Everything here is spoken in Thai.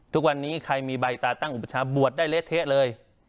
ทุกวันนี้ใครมีใบต่างอุปชาบวดได้เล็กเท็จเลย